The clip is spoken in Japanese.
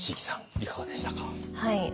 いかがでしたか？